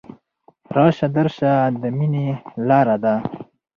راشه درشه د ميني لاره ده